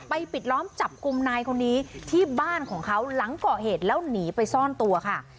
ปิดล้อมจับกลุ่มนายคนนี้ที่บ้านของเขาหลังก่อเหตุแล้วหนีไปซ่อนตัวค่ะ